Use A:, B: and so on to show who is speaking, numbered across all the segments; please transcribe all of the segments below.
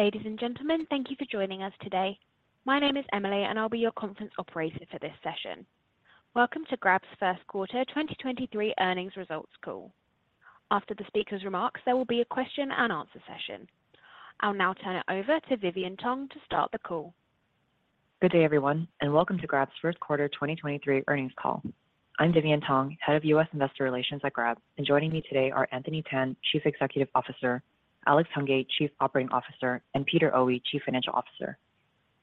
A: Ladies and gentlemen, thank you for joining us today. My name is Emily, and I'll be your conference operator for this session. Welcome to Grab's first quarter 2023 earnings results call. After the speaker's remarks, there will be a question and answer session. I'll now turn it over to Vivian Tong to start the call.
B: Good day, everyone, and welcome to Grab's first quarter 2023 earnings call. I'm Vivian Tong, Head of US Investor Relations at Grab, and joining me today are Anthony Tan, Chief Executive Officer, Alex Hungate, Chief Operating Officer, and Peter Oey, Chief Financial Officer.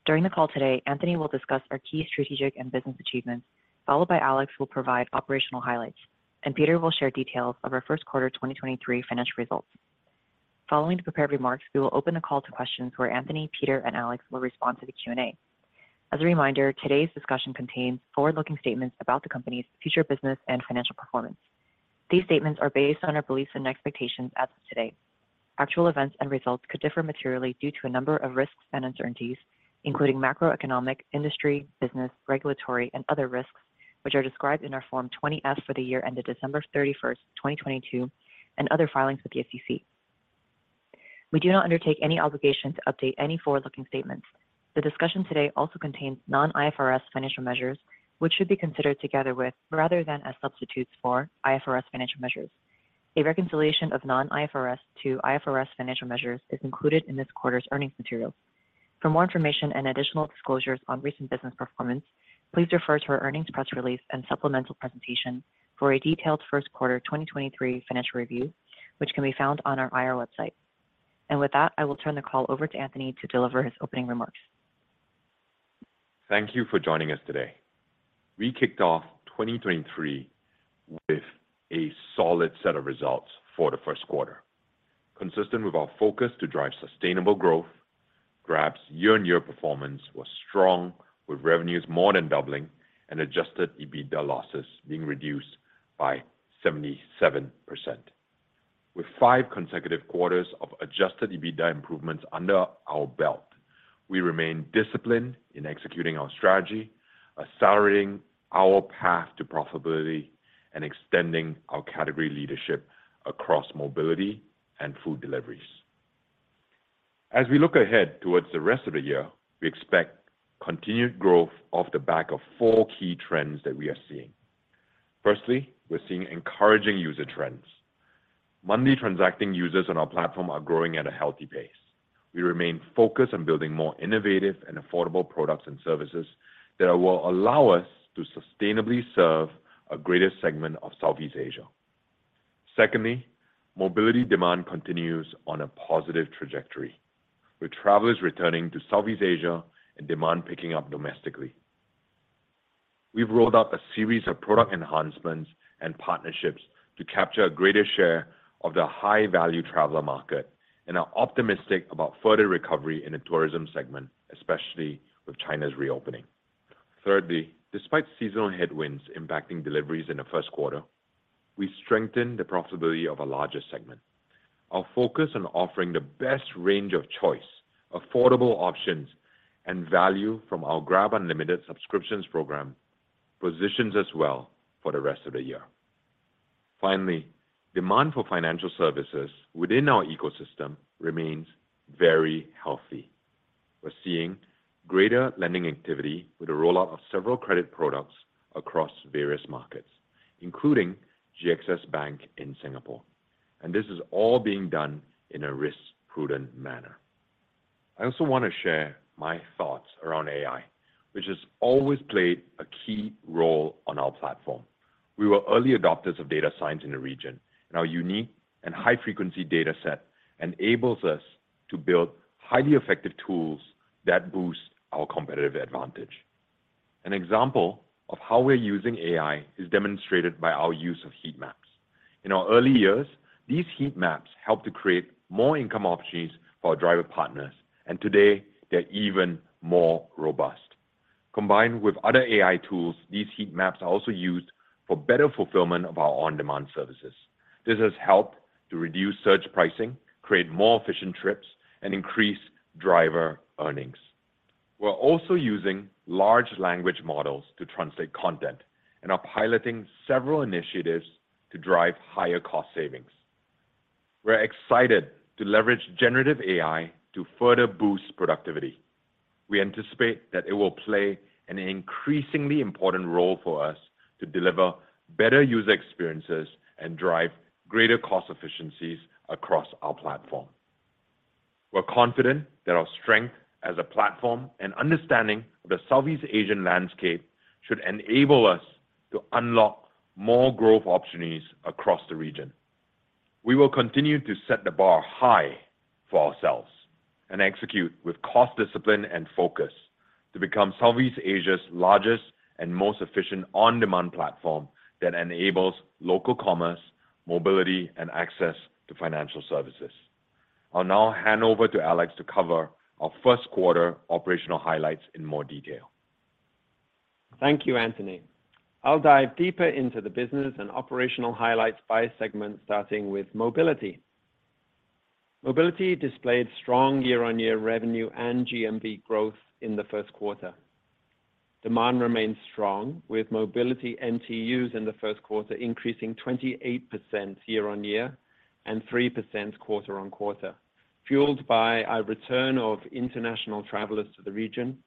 B: During the call today, Anthony will discuss our key strategic and business achievements, followed by Alex, who will provide operational highlights, and Peter will share details of our first quarter 2023 financial results. Following the prepared remarks, we will open the call to questions where Anthony, Peter and Alex will respond to the Q&A. As a reminder, today's discussion contains forward-looking statements about the company's future business and financial performance. These statements are based on our beliefs and expectations as of today. Actual events and results could differ materially due to a number of risks and uncertainties, including macroeconomic, industry, business, regulatory and other risks, which are described in our Form 20-F for the year ended December 31, 2022, and other filings with the SEC. We do not undertake any obligation to update any forward-looking statements. The discussion today also contains non-IFRS financial measures, which should be considered together with, rather than as substitutes for, IFRS financial measures. A reconciliation of non-IFRS to IFRS financial measures is included in this quarter's earnings materials. For more information and additional disclosures on recent business performance, please refer to our earnings press release and supplemental presentation for a detailed first quarter 2023 financial review, which can be found on our IR website. With that, I will turn the call over to Anthony to deliver his opening remarks.
C: Thank you for joining us today. We kicked off 2023 with a solid set of results for the first quarter. Consistent with our focus to drive sustainable growth, Grab's year-on-year performance was strong, with revenues more than doubling and adjusted EBITDA losses being reduced by 77%. With five consecutive quarters of adjusted EBITDA improvements under our belt, we remain disciplined in executing our strategy, accelerating our path to profitability and extending our category leadership across mobility and food deliveries. As we look ahead towards the rest of the year, we expect continued growth off the back of four key trends that we are seeing. Firstly, we're seeing encouraging user trends. Monthly Transacting Users on our platform are growing at a healthy pace. We remain focused on building more innovative and affordable products and services that will allow us to sustainably serve a greater segment of Southeast Asia. Secondly, mobility demand continues on a positive trajectory, with travelers returning to Southeast Asia and demand picking up domestically. We've rolled out a series of product enhancements and partnerships to capture a greater share of the high-value traveler market and are optimistic about further recovery in the tourism segment, especially with China's reopening. Thirdly, despite seasonal headwinds impacting deliveries in the first quarter, we strengthened the profitability of a larger segment. Our focus on offering the best range of choice, affordable options, and value from our GrabUnlimited subscriptions program positions us well for the rest of the year. Finally, demand for financial services within our ecosystem remains very healthy. We're seeing greater lending activity with the rollout of several credit products across various markets, including GXS Bank in Singapore, and this is all being done in a risk-prudent manner. I also want to share my thoughts around AI, which has always played a key role on our platform. We were early adopters of data science in the region, and our unique and high-frequency data set enables us to build highly effective tools that boost our competitive advantage. An example of how we're using AI is demonstrated by our use of heat maps. In our early years, these heat maps helped to create more income opportunities for our driver partners, and today they're even more robust. Combined with other AI tools, these heat maps are also used for better fulfillment of our on-demand services. This has helped to reduce surge pricing, create more efficient trips, and increase driver earnings. We're also using large language models to translate content and are piloting several initiatives to drive higher cost savings. We're excited to leverage generative AI to further boost productivity. We anticipate that it will play an increasingly important role for us to deliver better user experiences and drive greater cost efficiencies across our platform. We're confident that our strength as a platform and understanding of the Southeast Asian landscape should enable us to unlock more growth opportunities across the region. We will continue to set the bar high for ourselves and execute with cost discipline and focus to become Southeast Asia's largest and most efficient on-demand platform that enables local commerce, mobility, and access to financial services. I'll now hand over to Alex to cover our first quarter operational highlights in more detail.
D: Thank you, Anthony. I'll dive deeper into the business and operational highlights by segment, starting with mobility. Mobility displayed strong year-on-year revenue and GMV growth in the first quarter. Demand remains strong with mobility MTUs in the first quarter increasing 28% year-on-year and 3% quarter-on-quarter, fueled by a return of international travelers to the region,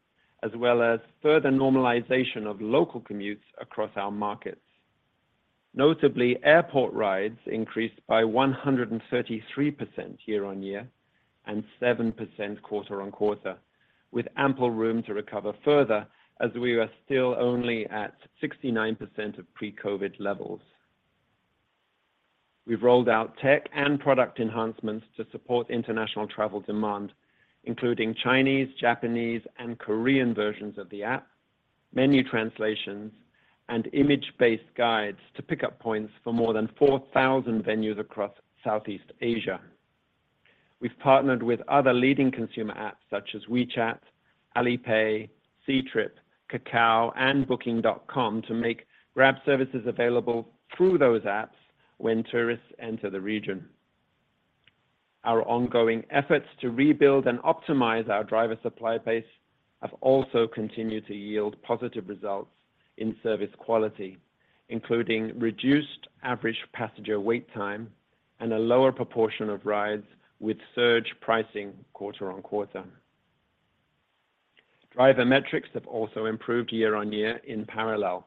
D: as well as further normalization of local commutes across our markets. Notably, airport rides increased by 133% year-on-year and 7% quarter-on-quarter, with ample room to recover further as we are still only at 69% of pre-COVID levels. We've rolled out tech and product enhancements to support international travel demand, including Chinese, Japanese, and Korean versions of the app, menu translations, and image-based guides to pick up points for more than 4,000 venues across Southeast Asia. We've partnered with other leading consumer apps such as WeChat, Alipay, Ctrip, Kakao, and Booking.com to make Grab services available through those apps when tourists enter the region. Our ongoing efforts to rebuild and optimize our driver supply base have also continued to yield positive results in service quality, including reduced average passenger wait time and a lower proportion of rides with surge pricing quarter-on-quarter. Driver metrics have also improved year-on-year in parallel.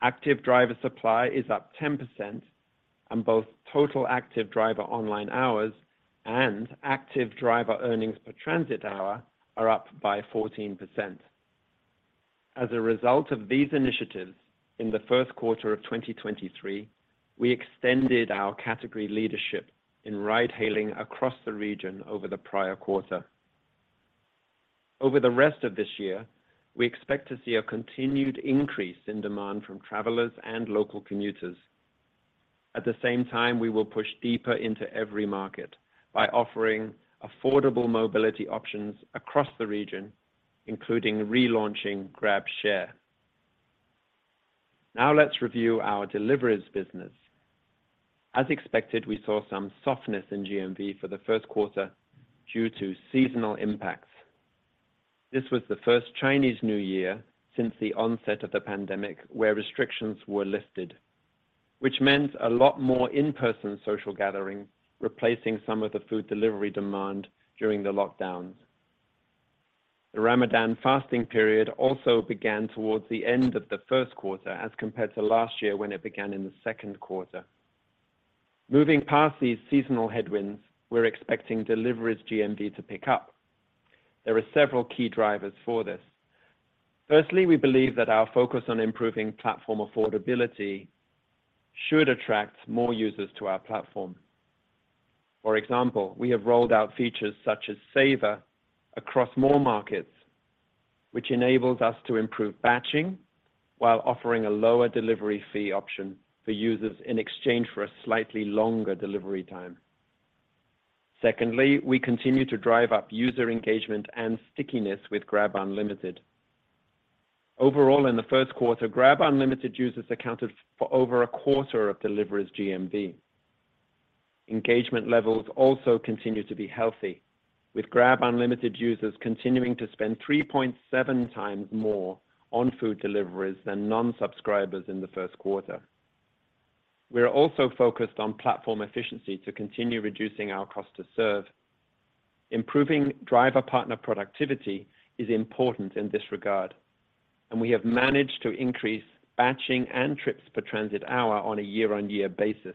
D: Active driver supply is up 10% and both total active driver online hours and active driver earnings per transit hour are up by 14%. As a result of these initiatives in the first quarter of 2023, we extended our category leadership in ride hailing across the region over the prior quarter. Over the rest of this year, we expect to see a continued increase in demand from travelers and local commuters. At the same time, we will push deeper into every market by offering affordable mobility options across the region, including relaunching GrabShare. Now let's review our deliveries business. As expected, we saw some softness in GMV for the first quarter due to seasonal impacts. This was the first Chinese New Year since the onset of the pandemic where restrictions were lifted, which meant a lot more in-person social gathering, replacing some of the food delivery demand during the lockdowns. The Ramadan fasting period also began towards the end of the first quarter as compared to last year when it began in the second quarter. Moving past these seasonal headwinds, we're expecting deliveries GMV to pick up. There are several key drivers for this. Firstly, we believe that our focus on improving platform affordability should attract more users to our platform. For example, we have rolled out features such as Saver across more markets, which enables us to improve batching while offering a lower delivery fee option for users in exchange for a slightly longer delivery time. Secondly, we continue to drive up user engagement and stickiness with GrabUnlimited. Overall, in the first quarter, GrabUnlimited users accounted for over a quarter of deliveries GMV. Engagement levels also continue to be healthy, with GrabUnlimited users continuing to spend 3.7 times more on food deliveries than non-subscribers in the first quarter. We're also focused on platform efficiency to continue reducing our cost to serve. Improving driver-partner productivity is important in this regard, and we have managed to increase batching and trips per transit hour on a year-on-year basis.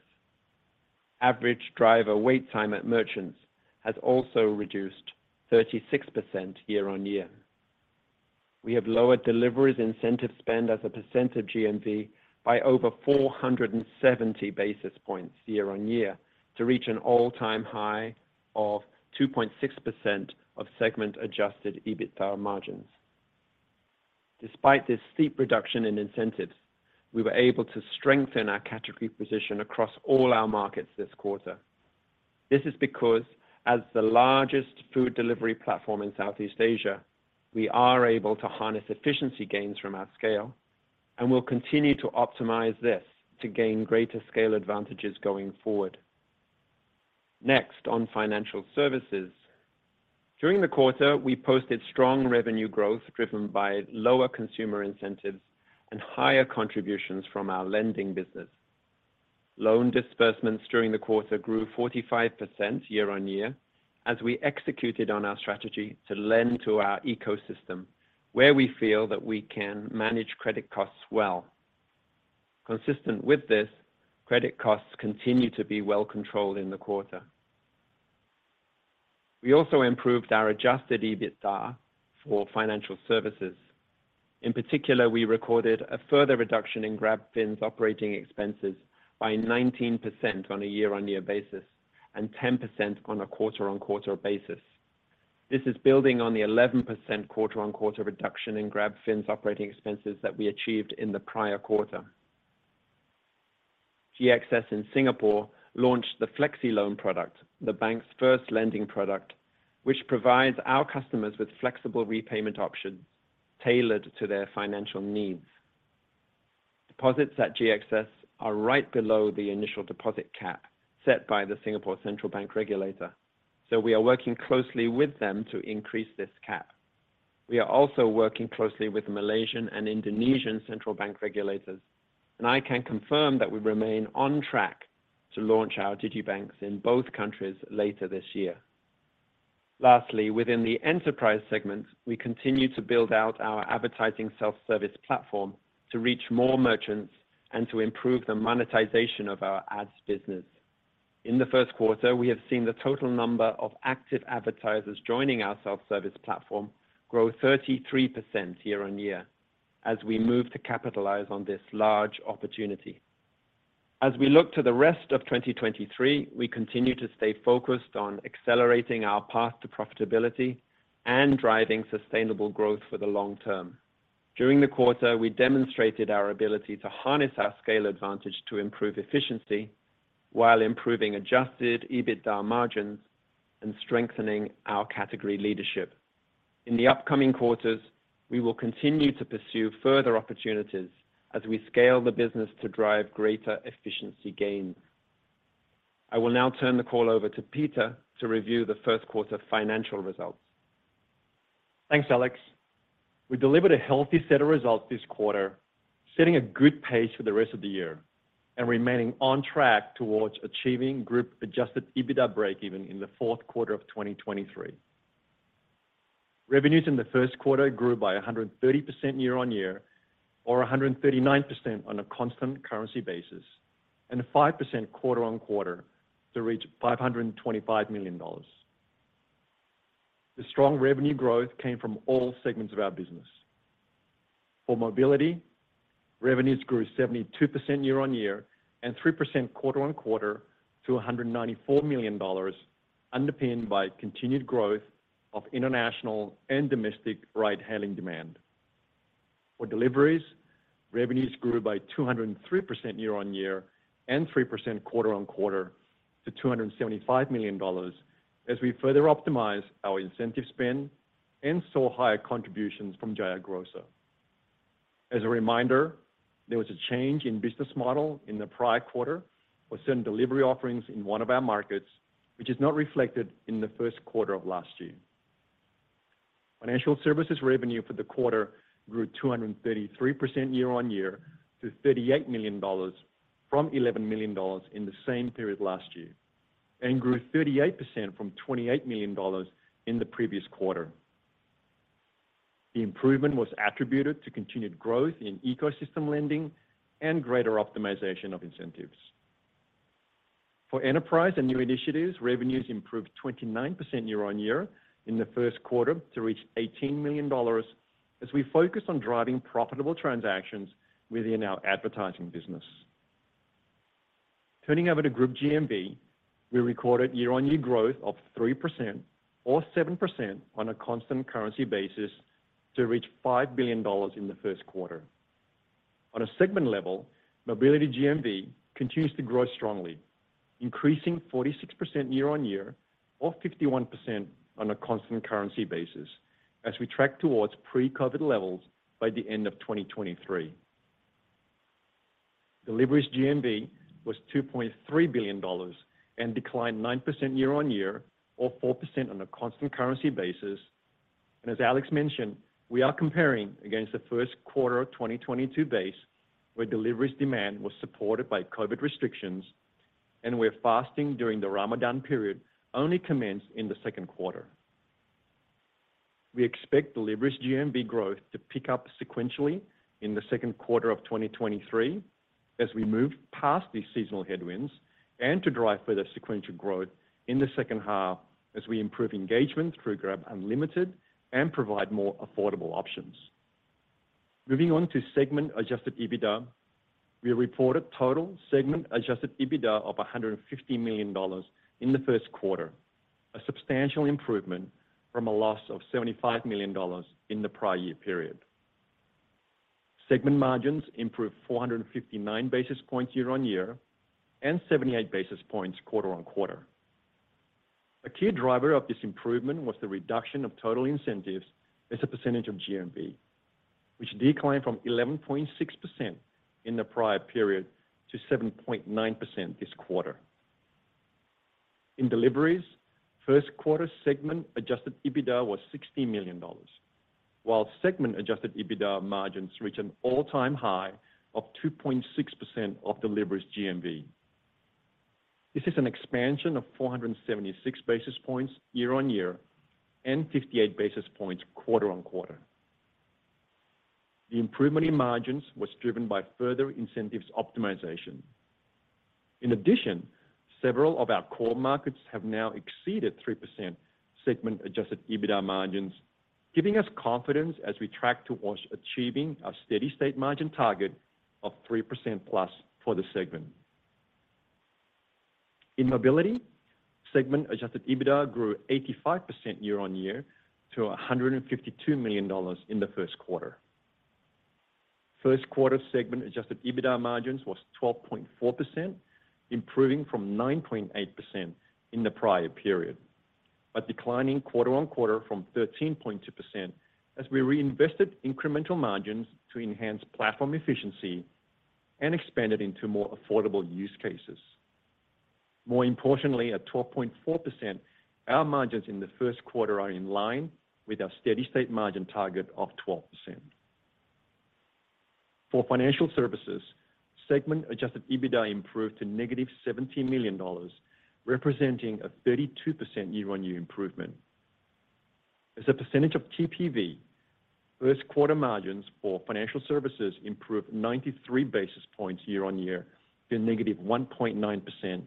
D: Average driver-partner wait time at merchants has also reduced 36% year-on-year. We have lowered deliveries incentive spend as a % of GMV by over 470 basis points year-on-year to reach an all-time high of 2.6% of segment-adjusted EBITDA margins. Despite this steep reduction in incentives, we were able to strengthen our category position across all our markets this quarter. This is because as the largest food delivery platform in Southeast Asia, we are able to harness efficiency gains from our scale, and we'll continue to optimize this to gain greater scale advantages going forward. Next, on financial services. During the quarter, we posted strong revenue growth driven by lower consumer incentives and higher contributions from our lending business. Loan disbursements during the quarter grew 45% year-on-year as we executed on our strategy to lend to our ecosystem where we feel that we can manage credit costs well. Consistent with this, credit costs continue to be well controlled in the quarter. We also improved our adjusted EBITDA for financial services. In particular, we recorded a further reduction in GrabFin's operating expenses by 19% on a year-on-year basis and 10% on a quarter-on-quarter basis. This is building on the 11% quarter-on-quarter reduction in GrabFin's operating expenses that we achieved in the prior quarter. GXS in Singapore launched the Flexi Loan product, the bank's first lending product, which provides our customers with flexible repayment options tailored to their financial needs. Deposits at GXS are right below the initial deposit cap set by the Singapore Central Bank regulator. We are working closely with them to increase this cap. We are also working closely with Malaysian and Indonesian central bank regulators. I can confirm that we remain on track to launch our digibanks in both countries later this year. Lastly, within the enterprise segment, we continue to build out our advertising self-service platform to reach more merchants and to improve the monetization of our ads business. In the first quarter, we have seen the total number of active advertisers joining our self-service platform grow 33% year-on-year as we move to capitalize on this large opportunity. We look to the rest of 2023, we continue to stay focused on accelerating our path to profitability and driving sustainable growth for the long term. During the quarter, we demonstrated our ability to harness our scale advantage to improve efficiency while improving adjusted EBITDA margins and strengthening our category leadership. In the upcoming quarters, we will continue to pursue further opportunities as we scale the business to drive greater efficiency gains. I will now turn the call over to Peter to review the first quarter financial results.
E: Thanks, Alex. We delivered a healthy set of results this quarter, setting a good pace for the rest of the year and remaining on track towards achieving group adjusted EBITDA break even in the fourth quarter of 2023. Revenues in the first quarter grew by 130% year-over-year or 139% on a constant currency basis, and 5% quarter-over-quarter to reach $525 million. The strong revenue growth came from all segments of our business. For mobility, revenues grew 72% year-over-year and 3% quarter-over-quarter to $194 million, underpinned by continued growth of international and domestic ride-hailing demand. For deliveries, revenues grew by 203% year-on-year and 3% quarter-on-quarter to $275 million as we further optimize our incentive spend and saw higher contributions from Jaya Grocer. As a reminder, there was a change in business model in the prior quarter for certain delivery offerings in one of our markets, which is not reflected in the first quarter of last year. Financial services revenue for the quarter grew 233% year-on-year to $38 million from $11 million in the same period last year and grew 38% from $28 million in the previous quarter. The improvement was attributed to continued growth in ecosystem lending and greater optimization of incentives. For enterprise and new initiatives, revenues improved 29% year-on-year in the first quarter to reach $18 million as we focus on driving profitable transactions within our advertising business. Turning over to Group GMV, we recorded year-on-year growth of 3% or 7% on a constant currency basis to reach $5 billion in the first quarter. On a segment level, mobility GMV continues to grow strongly, increasing 46% year-on-year or 51% on a constant currency basis as we track towards pre-COVID levels by the end of 2023. Deliveries GMV was $2.3 billion and declined 9% year-on-year or 4% on a constant currency basis. As Alex mentioned, we are comparing against the first quarter of 2022 base, where deliveries demand was supported by COVID restrictions and where fasting during the Ramadan period only commenced in the second quarter. We expect deliveries GMV growth to pick up sequentially in the second quarter of 2023 as we move past these seasonal headwinds and to drive further sequential growth in the second half as we improve engagement through GrabUnlimited and provide more affordable options. Moving on to segment adjusted EBITDA, we reported total segment adjusted EBITDA of $150 million in the first quarter, a substantial improvement from a loss of $75 million in the prior year period. Segment margins improved 459 basis points year-on-year and 78 basis points quarter-on-quarter. A key driver of this improvement was the reduction of total incentives as a percentage of GMV, which declined from 11.6% in the prior period to 7.9% this quarter. In deliveries, first quarter segment adjusted EBITDA was $60 million, while segment adjusted EBITDA margins reached an all-time high of 2.6% of deliveries GMV. This is an expansion of 476 basis points year-on-year and 58 basis points quarter-on-quarter. The improvement in margins was driven by further incentives optimization. In addition, several of our core markets have now exceeded 3% segment adjusted EBITDA margins, giving us confidence as we track towards achieving our steady state margin target of 3%+ for the segment. In mobility, segment adjusted EBITDA grew 85% year-on-year to $152 million in the first quarter. First quarter segment adjusted EBITDA margins was 12.4%, improving from 9.8% in the prior period. Declining quarter-on-quarter from 13.2% as we reinvested incremental margins to enhance platform efficiency and expand it into more affordable use cases. More importantly, at 12.4%, our margins in the first quarter are in line with our steady-state margin target of 12%. For financial services, segment adjusted EBITDA improved to -$70 million, representing a 32% year-on-year improvement. As a percentage of TPV, first quarter margins for financial services improved 93 basis points year-on-year to -1.9%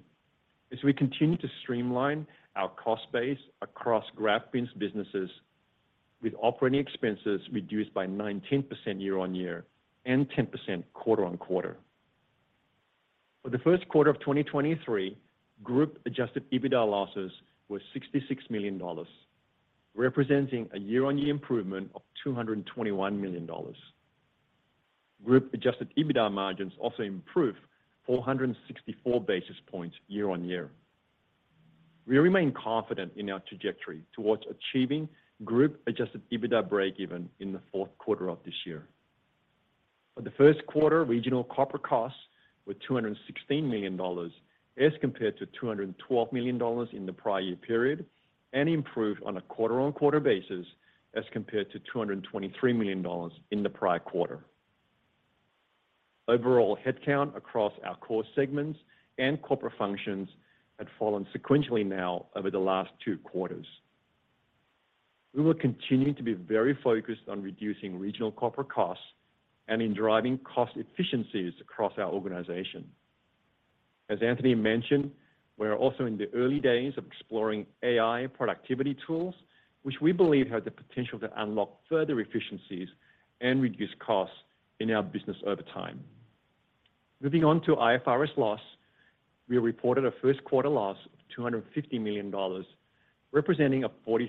E: as we continue to streamline our cost base across Grab's businesses, with operating expenses reduced by 19% year-on-year and 10% quarter-on-quarter. For the first quarter of 2023, group adjusted EBITDA losses were $66 million, representing a year-on-year improvement of $221 million. Group adjusted EBITDA margins also improved 464 basis points year-on-year. We remain confident in our trajectory towards achieving group adjusted EBITDA breakeven in the fourth quarter of this year. For the first quarter, regional corporate costs were $216 million as compared to $212 million in the prior year period and improved on a quarter-on-quarter basis as compared to $223 million in the prior quarter. Overall, headcount across our core segments and corporate functions had fallen sequentially now over the last two quarters. We will continue to be very focused on reducing regional corporate costs and in driving cost efficiencies across our organization. As Anthony mentioned, we are also in the early days of exploring AI productivity tools which we believe have the potential to unlock further efficiencies and reduce costs in our business over time. Moving on to IFRS loss, we reported a first quarter loss of $250 million, representing a 43%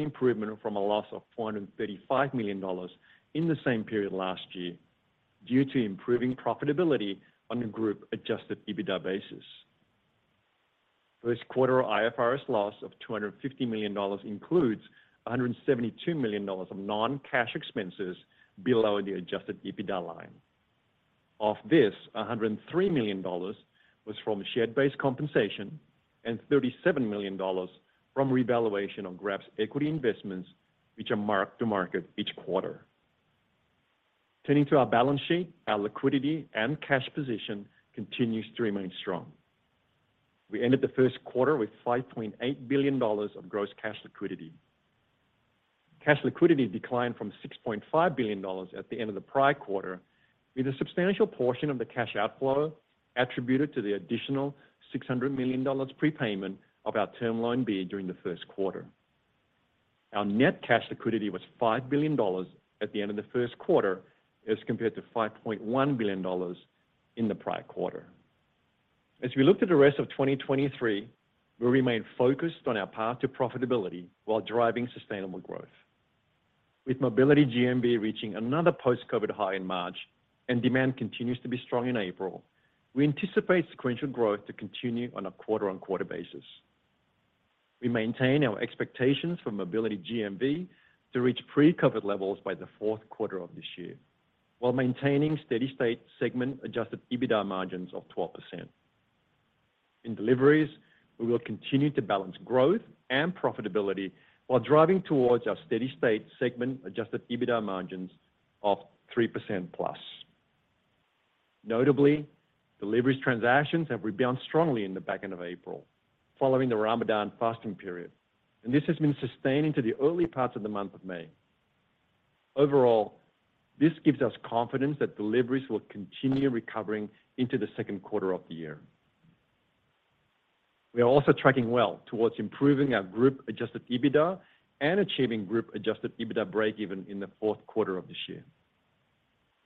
E: improvement from a loss of $435 million in the same period last year due to improving profitability on a group adjusted EBITDA basis. First quarter IFRS loss of $250 million includes $172 million of non-cash expenses below the adjusted EBITDA line. Of this, $103 million was from share-based compensation and $37 million from revaluation on Grab's equity investments which are mark to market each quarter. Turning to our balance sheet, our liquidity and cash position continues to remain strong. We ended the first quarter with $5.8 billion of gross cash liquidity. Cash liquidity declined from $6.5 billion at the end of the prior quarter, with a substantial portion of the cash outflow attributed to the additional $600 million prepayment of our Term Loan B during the first quarter. Our net cash liquidity was $5 billion at the end of the first quarter as compared to $5.1 billion in the prior quarter. As we look to the rest of 2023, we remain focused on our path to profitability while driving sustainable growth. With mobility GMV reaching another post-COVID high in March and demand continues to be strong in April, we anticipate sequential growth to continue on a quarter-on-quarter basis. We maintain our expectations for mobility GMV to reach pre-COVID levels by the fourth quarter of this year while maintaining steady-state segment adjusted EBITDA margins of 12%. In deliveries, we will continue to balance growth and profitability while driving towards our steady-state segment adjusted EBITDA margins of 3%+. Notably, deliveries transactions have rebound strongly in the back end of April following the Ramadan fasting period, and this has been sustained into the early parts of the month of May. Overall, this gives us confidence that deliveries will continue recovering into the second quarter of the year. We are also tracking well towards improving our group adjusted EBITDA and achieving group adjusted EBITDA breakeven in the fourth quarter of this year.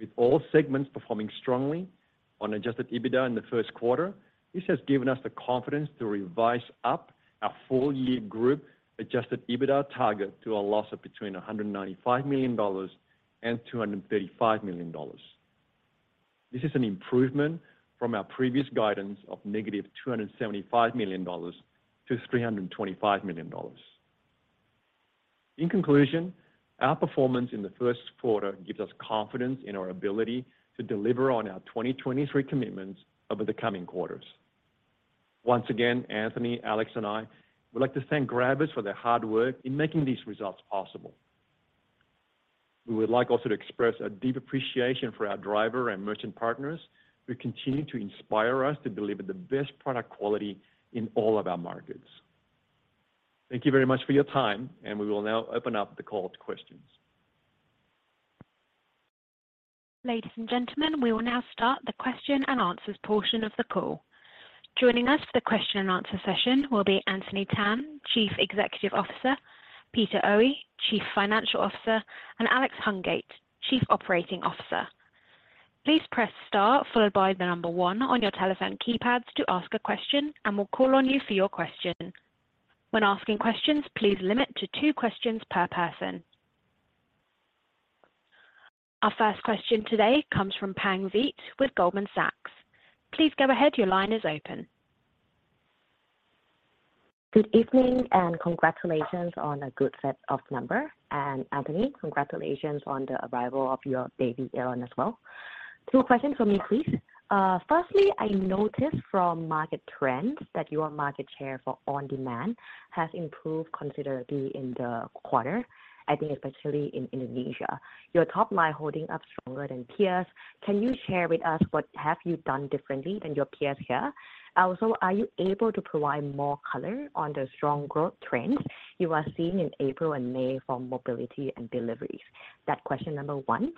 E: With all segments performing strongly on adjusted EBITDA in the first quarter, this has given us the confidence to revise up our full year group adjusted EBITDA target to a loss of between $195 million and $235 million. This is an improvement from our previous guidance of -$275 million to $325 million. In conclusion, our performance in the first quarter gives us confidence in our ability to deliver on our 2023 commitments over the coming quarters. Once again, Anthony, Alex, and I would like to thank Grabbers for their hard work in making these results possible. We would like also to express a deep appreciation for our driver and merchant partners who continue to inspire us to deliver the best product quality in all of our markets. Thank you very much for your time, and we will now open up the call to questions.
A: Ladies and gentlemen, we will now start the question and answers portion of the call. Joining us for the question and answer session will be Anthony Tan, Chief Executive Officer, Peter Oey, Chief Financial Officer, and Alex Hungate, Chief Operating Officer. Please press star followed by the number one on your telephone keypads to ask a question and we'll call on you for your question. When asking questions, please limit to two questions per person. Our first question today comes from Pang Vittayaamnuaykoon with Goldman Sachs. Please go ahead. Your line is open.
F: Good evening, congratulations on a good set of numbers. Anthony, congratulations on the arrival of your baby, Aaron, as well. Two questions from me, please. Firstly, I noticed from market trends that your market share for on-demand has improved considerably in the quarter, I think especially in Indonesia. Your top line holding up stronger than peers. Can you share with us what have you done differently than your peers here? Also, are you able to provide more color on the strong growth trends you are seeing in April and May for mobility and deliveries? That's question number one.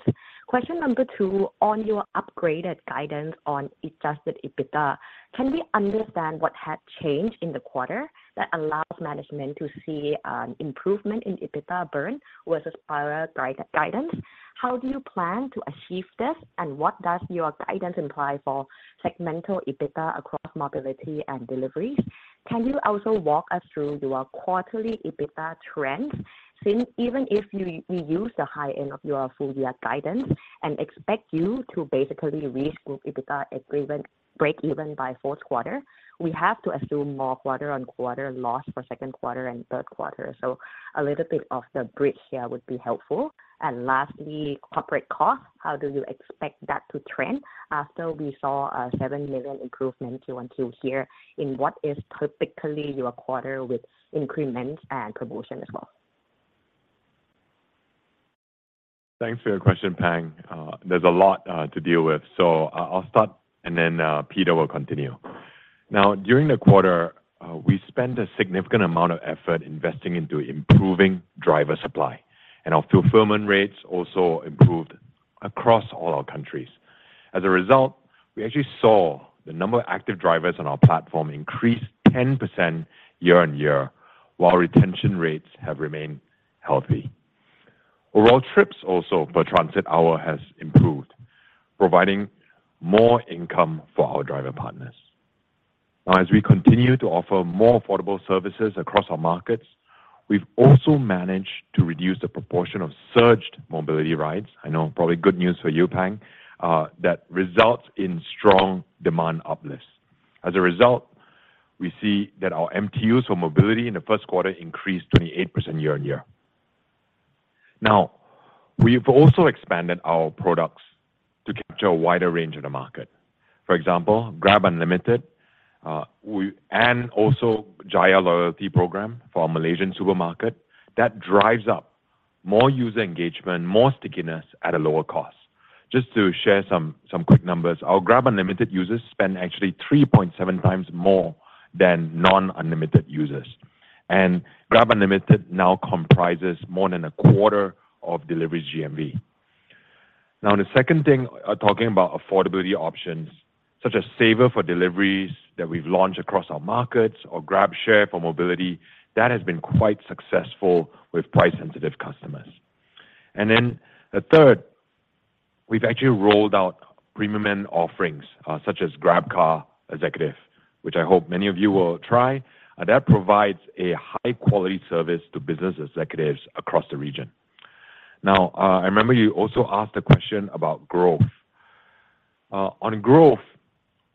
F: Question number two, on your upgraded guidance on adjusted EBITDA, can we understand what had changed in the quarter that allows management to see improvement in EBITDA burn versus prior guidance? How do you plan to achieve this? What does your guidance imply for segmental EBITDA across mobility and deliveries? Can you also walk us through your quarterly EBITDA trends since even if you use the high end of your full year guidance and expect you to basically reach group EBITDA agreement breakeven by fourth quarter, we have to assume more quarter-on-quarter loss for second quarter and third quarter. A little bit of the bridge here would be helpful. Lastly, corporate costs. How do you expect that to trend after we saw a $7 million improvement Q-on-Q here in what is typically your quarter with increments and promotion as well?
C: Thanks for your question, Pang. There's a lot to deal with. I'll start and then Peter will continue. During the quarter, we spent a significant amount of effort investing into improving driver supply and our fulfillment rates also improved across all our countries. We actually saw the number of active drivers on our platform increase 10% year-on-year, while retention rates have remained healthy. Overall trips also per transit hour has improved, providing more income for our driver partners. As we continue to offer more affordable services across our markets, we've also managed to reduce the proportion of surged mobility rides. I know probably good news for you, Pang, that results in strong demand uplift. We see that our MTUs for mobility in the first quarter increased 28% year-on-year. We've also expanded our products to capture a wider range of the market. For example, GrabUnlimited, Jaya Loyalty program for our Malaysian supermarket. That drives up more user engagement, more stickiness at a lower cost. Just to share some quick numbers. Our GrabUnlimited users spend actually 3.7 times more than non-Unlimited users. GrabUnlimited now comprises more than a quarter of deliveries GMV. The second thing, talking about affordability options such as Saver for deliveries that we've launched across our markets or GrabShare for mobility, that has been quite successful with price-sensitive customers. The third, we've actually rolled out premium offerings, such as GrabCar Executive, which I hope many of you will try, and that provides a high-quality service to business executives across the region. I remember you also asked a question about growth. On growth,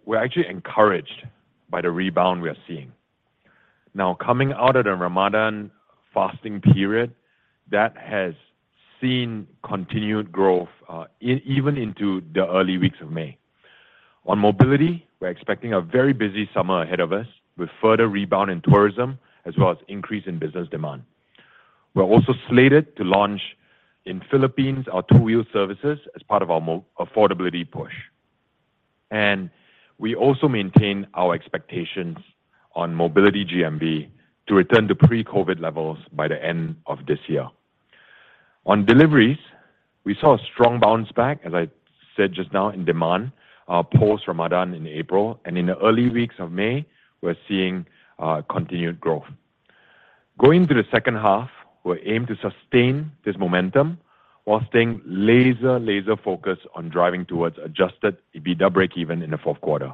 C: we're actually encouraged by the rebound we are seeing. Coming out of the Ramadan fasting period, that has seen continued growth even into the early weeks of May. On mobility, we're expecting a very busy summer ahead of us with further rebound in tourism as well as increase in business demand. We're also slated to launch in Philippines our two-wheel services as part of our affordability push. We also maintain our expectations on mobility GMV to return to pre-COVID levels by the end of this year. On deliveries, we saw a strong bounce back, as I said just now in demand, post-Ramadan in April and in the early weeks of May, we're seeing continued growth. Going through the second half, we're aimed to sustain this momentum whilst staying laser focused on driving towards adjusted EBITDA breakeven in the fourth quarter.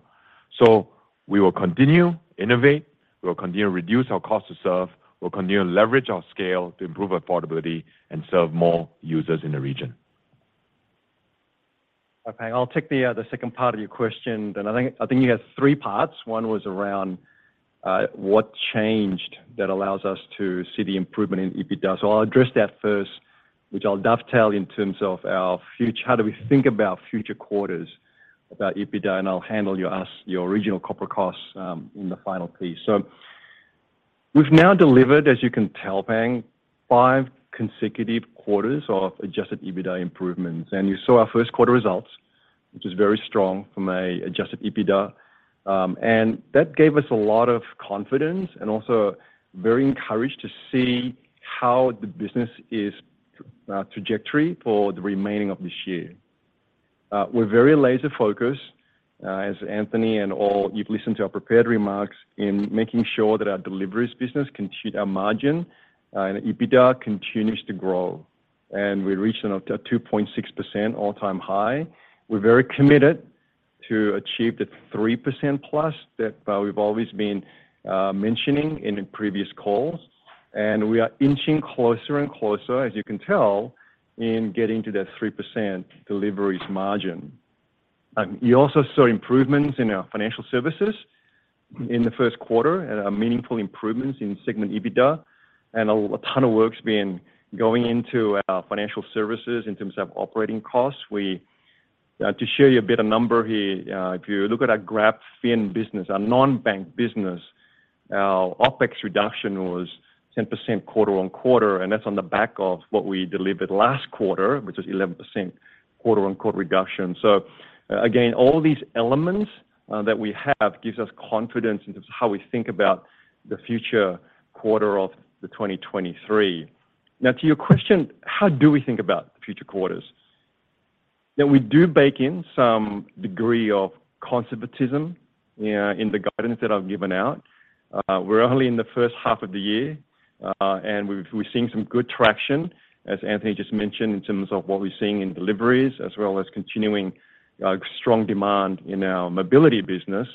C: We will continue innovate, we will continue to reduce our cost to serve, we'll continue to leverage our scale to improve affordability and serve more users in the region.
E: Okay. I'll take the second part of your question then. I think you had three parts. One was around what changed that allows us to see the improvement in EBITDA. I'll address that first, which I'll dovetail in terms of our future. How do we think about future quarters, about EBITDA? I'll handle your ask, your original corporate costs, in the final piece. We've now delivered, as you can tell, Pang, five consecutive quarters of adjusted EBITDA improvements. You saw our first quarter results, which is very strong from a adjusted EBITDA. That gave us a lot of confidence and also very encouraged to see how the business is trajectory for the remaining of this year. We're very laser focused, as Anthony and all you've listened to our prepared remarks in making sure that our deliveries business can cheat our margin and EBITDA continues to grow. We reached a 2.6% all-time high. We're very committed to achieve the 3%+ that we've always been mentioning in the previous calls, and we are inching closer and closer, as you can tell, in getting to that 3% deliveries margin. You also saw improvements in our financial services in the first quarter and meaningful improvements in segment EBITDA and a ton of work's been going into our financial services in terms of operating costs. To show you a better number here, if you look at our GrabFin business, our non-bank business, our OpEx reduction was 10% quarter-on-quarter. That's on the back of what we delivered last quarter, which is 11% quarter-on-quarter reduction. Again, all these elements that we have gives us confidence in terms of how we think about the future quarter of 2023. To your question, how do we think about future quarters? That we do bake in some degree of conservatism in the guidance that I've given out. We're only in the first half of the year, and we've seen some good traction, as Anthony just mentioned, in terms of what we're seeing in deliveries, as well as continuing strong demand in our mobility business.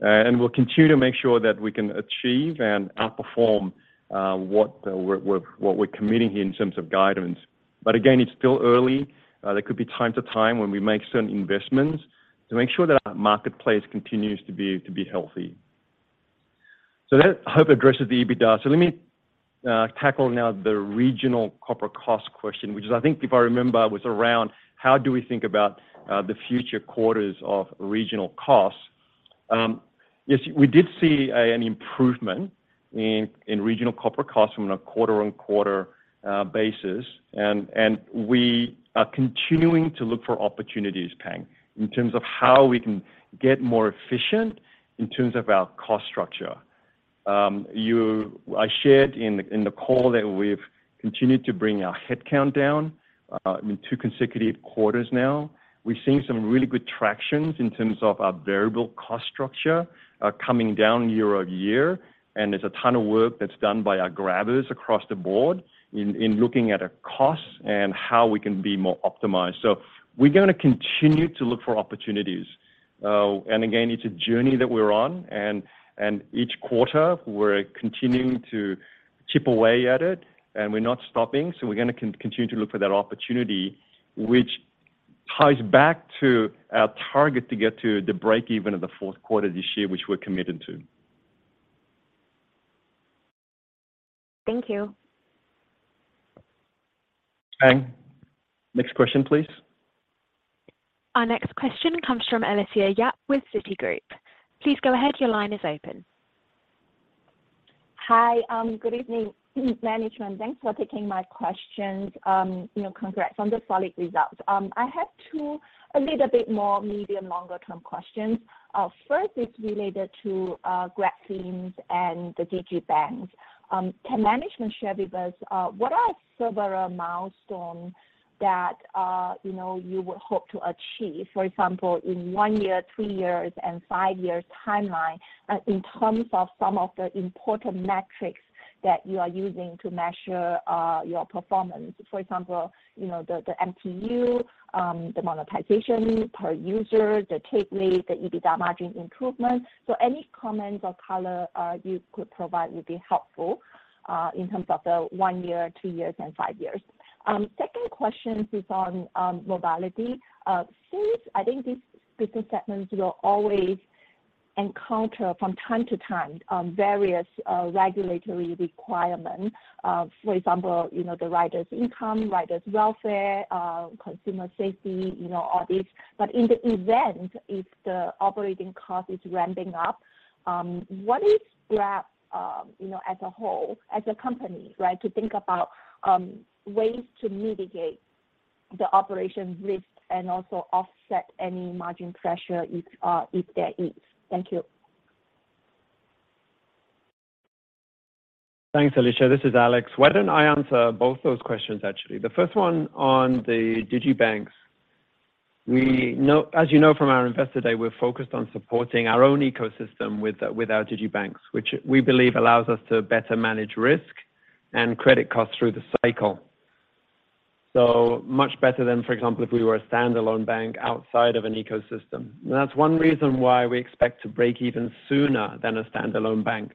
E: We'll continue to make sure that we can achieve and outperform what we're what we're committing in terms of guidance. Again, it's still early. There could be time to time when we make certain investments to make sure that our marketplace continues to be healthy. That I hope addresses the EBITDA. Let me tackle now the regional corporate cost question, which is, I think, if I remember, was around how do we think about the future quarters of regional costs. Yes, we did see an improvement in regional corporate costs from a quarter-on-quarter basis. We are continuing to look for opportunities, Pang, in terms of how we can get more efficient in terms of our cost structure. I shared in the call that we've continued to bring our head count down in two consecutive quarters now. We've seen some really good tractions in terms of our variable cost structure coming down year-over-year, and there's a ton of work that's done by our Grabbers across the board in looking at our costs and how we can be more optimized. We're gonna continue to look for opportunities. Again, it's a journey that we're on and each quarter we're continuing to chip away at it, and we're not stopping, we're gonna continue to look for that opportunity, which ties back to our target to get to the break-even of the fourth quarter this year, which we're committed to.
F: Thank you.
C: Pang, next question, please.
A: Our next question comes from Alicia Yap with Citigroup. Please go ahead. Your line is open.
G: Hi. Good evening, management. Thanks for taking my questions. You know, congrats on the solid results. I have two a little bit more medium, longer term questions. First is related to GrabFin and the digibanks. Can management share with us what are several milestones that, you know, you would hope to achieve, for example, in one year, three years and five years timeline, in terms of some of the important metrics that you are using to measure your performance? For example, you know, the MTUs, the monetization per user, the take rate, the EBITDA margin improvement. Any comments or color you could provide would be helpful in terms of the one year, two years and five years. Second question is on mobility. Since I think this business segment will always encounter from time to time, various regulatory requirements, for example, you know, the riders' income, riders' welfare, consumer safety, you know, all this. In the event if the operating cost is ramping up, what is Grab, you know, as a whole, as a company, right, to think about ways to mitigate the operations risk and also offset any margin pressure if there is? Thank you.
D: Thanks, Alicia. This is Alex. Why don't I answer both those questions, actually? The first one on the digibanks. As you know from our Investor Day, we're focused on supporting our own ecosystem with our digibanks, which we believe allows us to better manage risk and credit costs through the cycle. Much better than, for example, if we were a standalone bank outside of an ecosystem. That's one reason why we expect to break even sooner than a standalone bank.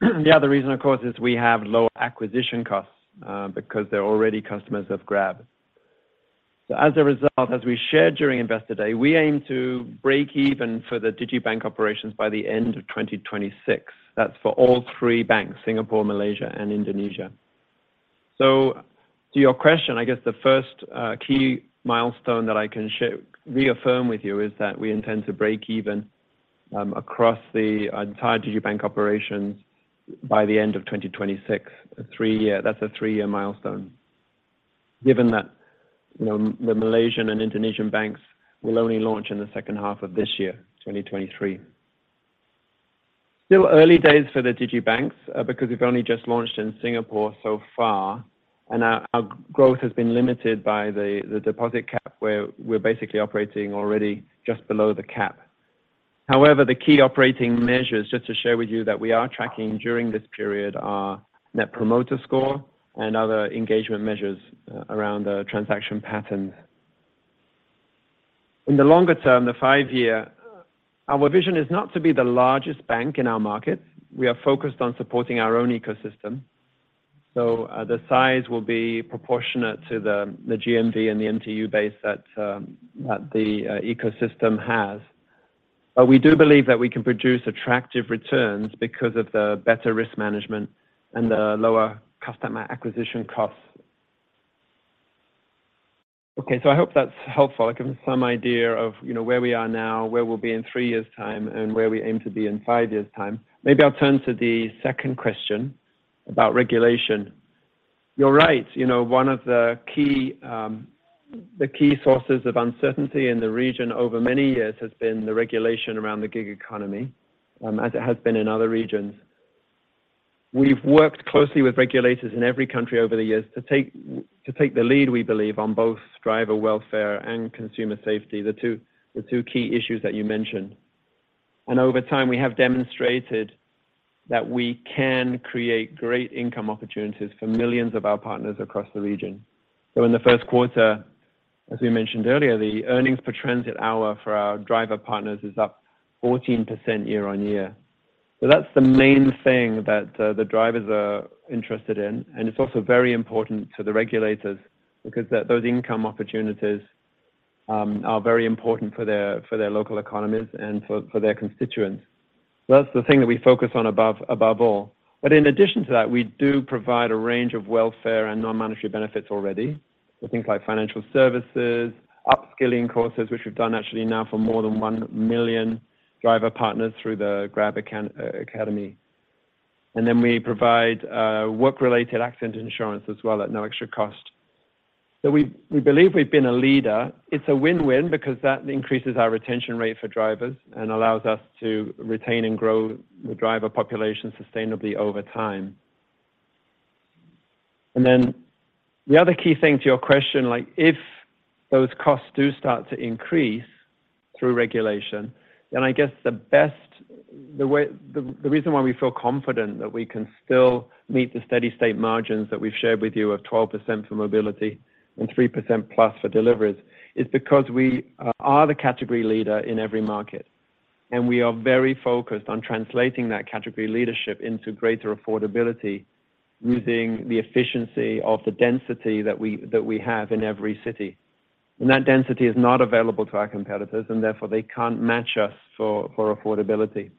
D: The other reason, of course, is we have lower acquisition costs because they're already customers of Grab. As a result, as we shared during Investor Day, we aim to break even for the digibank operations by the end of 2026. That's for all three banks, Singapore, Malaysia and Indonesia. To your question, I guess the first key milestone that I can reaffirm with you is that we intend to break even across the entire digibank operations by the end of 2026. That's a three-year milestone. Given that, you know, the Malaysian and Indonesian banks will only launch in the second half of this year, 2023. Still early days for the digibanks because we've only just launched in Singapore so far, and our growth has been limited by the deposit cap, where we're basically operating already just below the cap. The key operating measures, just to share with you that we are tracking during this period are net promoter score and other engagement measures around the transaction patterns. In the longer term, the five-year, our vision is not to be the largest bank in our market. We are focused on supporting our own ecosystem, the size will be proportionate to the GMV and the MTU base that the ecosystem has. We do believe that we can produce attractive returns because of the better risk management and the lower customer acquisition costs. I hope that's helpful. I've given some idea of, you know, where we are now, where we'll be in three years' time, and where we aim to be in five years' time. I'll turn to the second question about regulation. You're right. You know, one of the key, the key sources of uncertainty in the region over many years has been the regulation around the gig economy, as it has been in other regions. We've worked closely with regulators in every country over the years to take the lead, we believe, on both driver welfare and consumer safety, the two key issues that you mentioned. Over time, we have demonstrated that we can create great income opportunities for millions of our partners across the region. In the first quarter, as we mentioned earlier, the earnings per transit hour for our driver partners is up 14% year-on-year. That's the main thing that the drivers are interested in, and it's also very important to the regulators because those income opportunities are very important for their, for their local economies and for their constituents. That's the thing that we focus on above all. In addition to that, we do provide a range of welfare and non-monetary benefits already for things like financial services, upskilling courses, which we've done actually now for more than 1 million driver partners through the GrabAcademy. We provide work-related accident insurance as well at no extra cost. We believe we've been a leader. It's a win-win because that increases our retention rate for drivers and allows us to retain and grow the driver population sustainably over time. The other key thing to your question, like if those costs do start to increase through regulation, then I guess the reason why we feel confident that we can still meet the steady state margins that we've shared with you of 12% for mobility and 3%+ for deliveries is because we are the category leader in every market, and we are very focused on translating that category leadership into greater affordability using the efficiency of the density that we have in every city. That density is not available to our competitors, and therefore, they can't match us for affordability.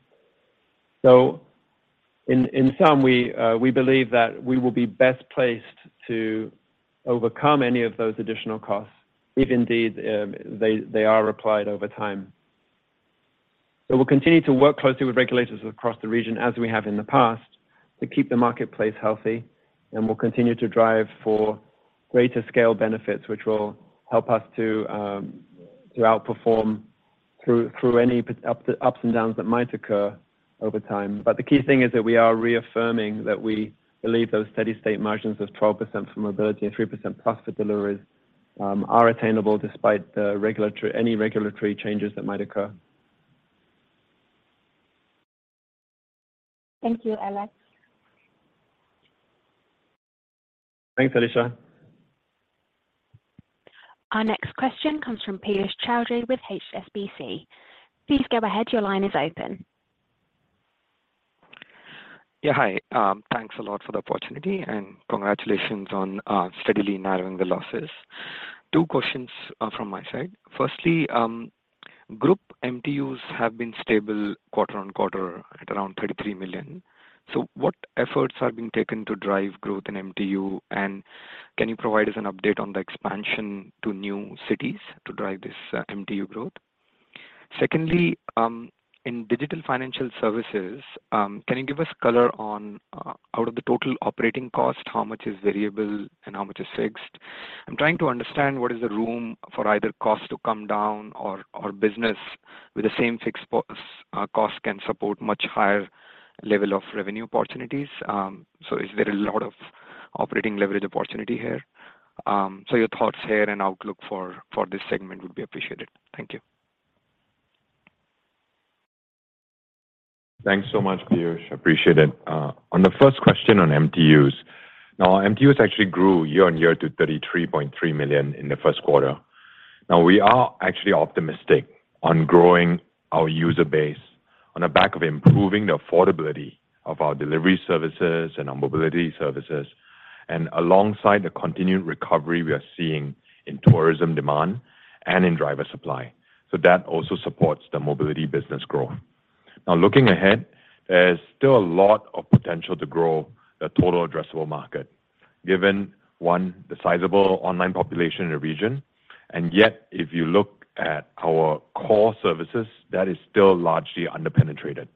D: In sum, we believe that we will be best placed to overcome any of those additional costs if indeed, they are applied over time. We'll continue to work closely with regulators across the region as we have in the past, to keep the marketplace healthy, and we'll continue to drive for greater scale benefits, which will help us to outperform through any ups and downs that might occur over time. The key thing is that we are reaffirming that we believe those steady-state margins of 12% for mobility and 3%+ for deliveries are attainable despite any regulatory changes that might occur.
G: Thank you, Alex.
D: Thanks, Alicia.
A: Our next question comes from Piyush Choudhary with HSBC. Please go ahead. Your line is open.
H: Yeah, hi. Thanks a lot for the opportunity, and congratulations on steadily narrowing the losses. Two questions from my side. Firstly, group MTUs have been stable quarter-on-quarter at around 33 million. What efforts are being taken to drive growth in MTU? Can you provide us an update on the expansion to new cities to drive this MTU growth? Secondly, in digital financial services, can you give us color on out of the total operating cost, how much is variable and how much is fixed? I'm trying to understand what is the room for either cost to come down or business with the same fixed cost can support much higher level of revenue opportunities. Is there a lot of operating leverage opportunity here? Your thoughts here and outlook for this segment would be appreciated. Thank you.
C: Thanks so much, Piyush. Appreciate it. On the first question on MTUs. Our MTUs actually grew year-on-year to 33.3 million in the first quarter. We are actually optimistic on growing our user base on the back of improving the affordability of our delivery services and our mobility services, and alongside the continued recovery we are seeing in tourism demand and in driver supply. That also supports the mobility business growth. Looking ahead, there's still a lot of potential to grow the total addressable market, given, one, the sizable online population in the region, and yet, if you look at our core services, that is still largely under-penetrated.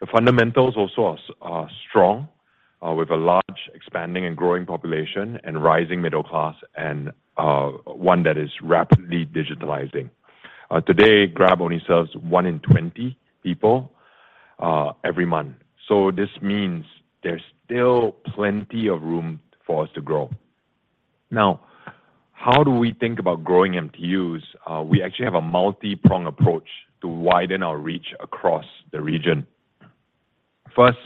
C: The fundamentals also are strong, with a large expanding and growing population and rising middle class and one that is rapidly digitalizing. Today, Grab only serves one in 20 people every month. This means there's still plenty of room for us to grow. How do we think about growing MTUs? We actually have a multiprong approach to widen our reach across the region. First,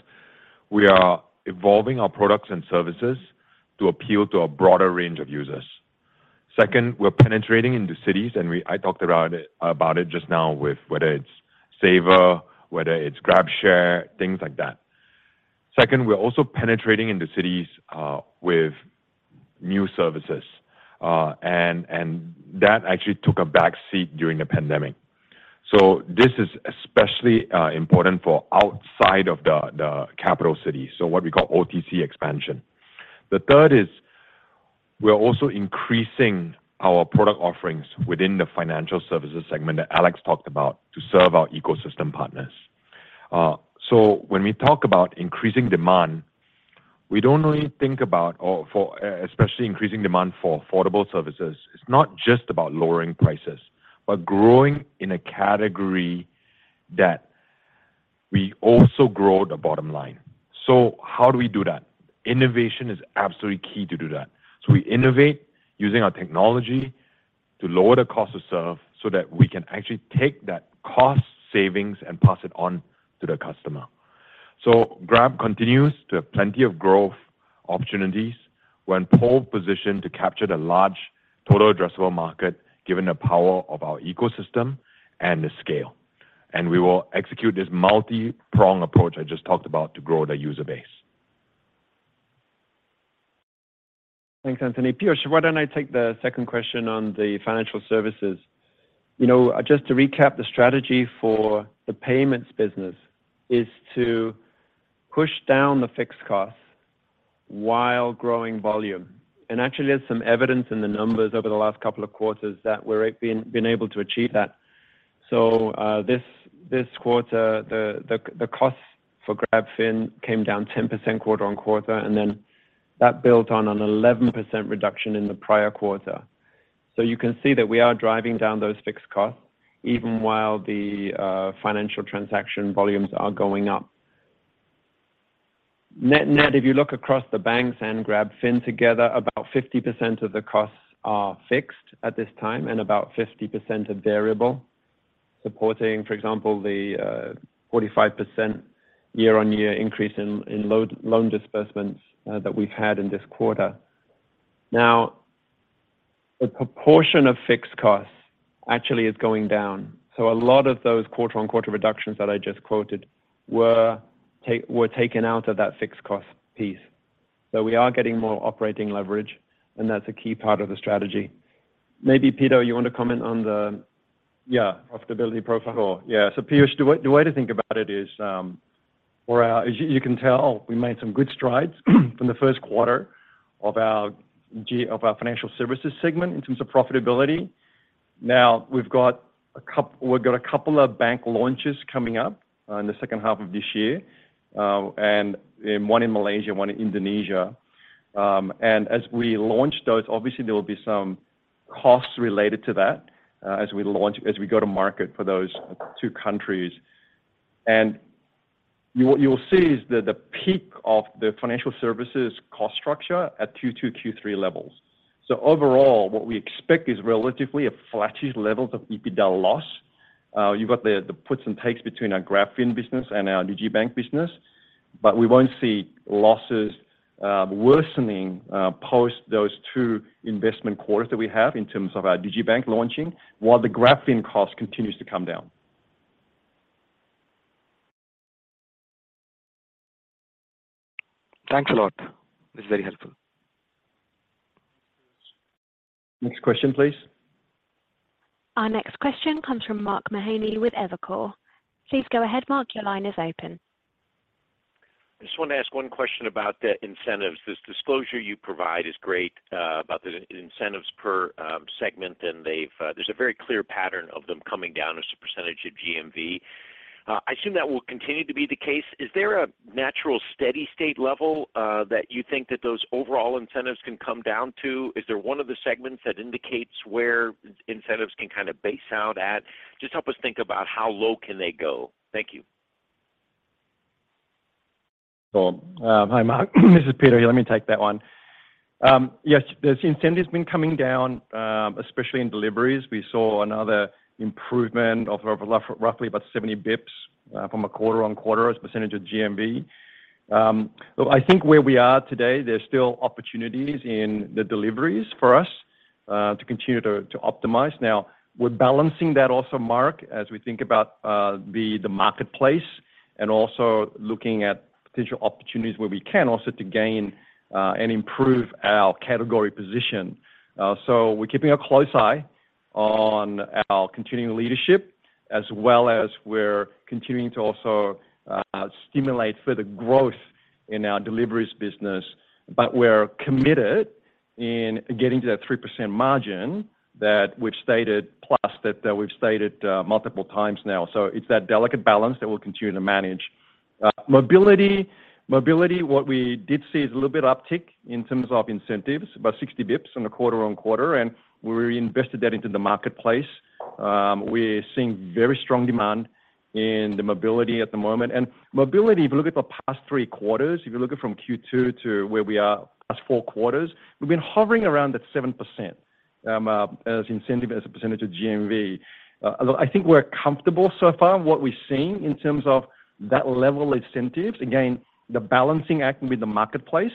C: we are evolving our products and services to appeal to a broader range of users. Second, we're penetrating into cities, and I talked about it just now with whether it's Saver, whether it's GrabShare, things like that. Second, we're also penetrating into cities with new services. And that actually took a back seat during the pandemic. This is especially important for outside of the capital city. What we call OTC expansion. The third is we're also increasing our product offerings within the financial services segment that Alex talked about to serve our ecosystem partners. When we talk about increasing demand, we don't only think about or for especially increasing demand for affordable services. It's not just about lowering prices, but growing in a category that we also grow the bottom line. How do we do that? Innovation is absolutely key to do that. We innovate using our technology to lower the cost to serve so that we can actually take that cost savings and pass it on to the customer. Grab continues to have plenty of growth opportunities. We're in pole position to capture the large total addressable market, given the power of our ecosystem and the scale. We will execute this multiprong approach I just talked about to grow the user base.
D: Thanks, Anthony. Piyush, why don't I take the second question on the financial services? You know, just to recap, the strategy for the payments business is to push down the fixed costs while growing volume. Actually, there's some evidence in the numbers over the last couple of quarters that been able to achieve that. This quarter, the cost for GrabFin came down 10% quarter-on-quarter, and then that built on an 11% reduction in the prior quarter. You can see that we are driving down those fixed costs even while the financial transaction volumes are going up. Net-net, if you look across the banks and GrabFin together, about 50% of the costs are fixed at this time and about 50% are variable, supporting, for example, the 45% year-over-year increase in loan disbursements that we've had in this quarter. The proportion of fixed costs actually is going down. A lot of those quarter-over-quarter reductions that I just quoted were taken out of that fixed cost piece. We are getting more operating leverage, and that's a key part of the strategy. Maybe, Peter, you want to comment on the.
E: Yeah
D: profitability profile?
E: Sure, yeah. Piyush, the way to think about it is, as you can tell, we made some good strides from the first quarter of our financial services segment in terms of profitability. We've got a couple of bank launches coming up in the second half of this year, and one in Malaysia, one in Indonesia. As we launch those, obviously, there will be some costs related to that, as we go to market for those two countries. What you'll see is the peak of the financial services cost structure at Q2, Q3 levels. Overall, what we expect is relatively a flattish levels of EBITDA loss. You've got the puts and takes between our GrabFin business and our digibank business. We won't see losses worsening post those two investment quarters that we have in terms of our digibank launching, while the GrabFin cost continues to come down.
H: Thanks a lot. That's very helpful.
C: Next question, please.
A: Our next question comes from Mark Mahaney with Evercore. Please go ahead, Mark. Your line is open.
I: I just want to ask one question about the incentives. This disclosure you provide is great, about the incentives per segment, and they've, there's a very clear pattern of them coming down as a percentage of GMV. I assume that will continue to be the case. Is there a natural steady-state level that you think that those overall incentives can come down to? Is there one of the segments that indicates where incentives can kinda base out at? Just help us think about how low can they go. Thank you.
E: Sure. Hi, Mark. This is Peter here. Let me take that one. Yes, the incentive's been coming down, especially in deliveries. We saw another improvement of roughly about 70 basis points from a quarter-on-quarter as a percentage of GMV. Look, I think where we are today, there's still opportunities in the deliveries for us to continue to optimize. We're balancing that also, Mark, as we think about the marketplace and also looking at potential opportunities where we can also to gain and improve our category position. We're keeping a close eye on our continuing leadership as well as we're continuing to also stimulate further growth in our deliveries business. We're committed in getting to that 3% margin that we've stated plus that we've stated multiple times now. It's that delicate balance that we'll continue to manage. Mobility, what we did see is a little bit uptick in terms of incentives, about 60 basis points on a quarter-on-quarter, and we reinvested that into the marketplace. We're seeing very strong demand in the mobility at the moment. Mobility, if you look at the past three quarters, if you look at from Q2 to where we are, last four quarters, we've been hovering around that 7%, as incentive as a percentage of GMV. Look, I think we're comfortable so far what we've seen in terms of that level incentives. The balancing act with the marketplace,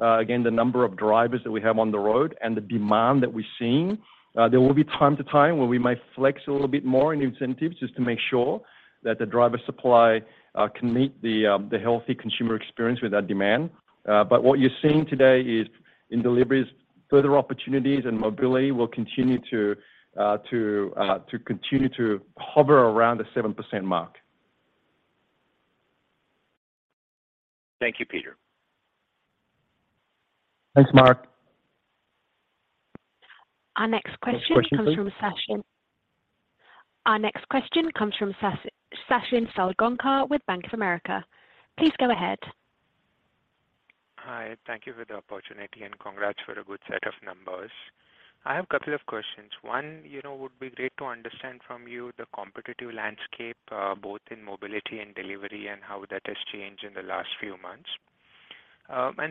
E: again, the number of drivers that we have on the road and the demand that we're seeing, there will be time to time where we may flex a little bit more in incentives just to make sure that the driver supply can meet the healthy consumer experience with that demand. What you're seeing today is in deliveries, further opportunities and mobility will continue to continue to hover around the 7% mark.
I: Thank you, Peter.
E: Thanks, Mark.
A: Our next question comes from Sachin.
E: Next question, please.
A: Our next question comes from Sachin Salgaonkar with Bank of America. Please go ahead.
J: Hi, thank you for the opportunity, and congrats for a good set of numbers. I have a couple of questions. One, you know, would be great to understand from you the competitive landscape, both in mobility and delivery and how that has changed in the last few months.